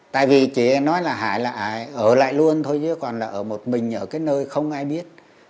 tại vì chỉ nói là hải là ở lại luôn thôi chứ còn là ở một mình ở cái nơi không ai biết